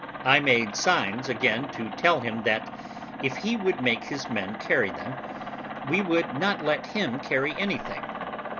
I made signs again to tell him, that if he would make his men carry them, we would not let him carry anything.